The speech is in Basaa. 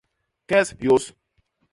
Kes hyôs.